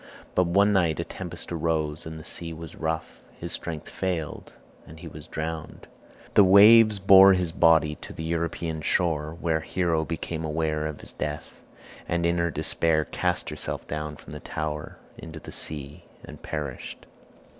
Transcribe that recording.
But one night a tempest arose and the sea was rough; his strength failed, and he was drowned. The waves bore his body to the European shore, where Hero became aware of his death, and in her despair cast herself down from the tower into the sea and perished.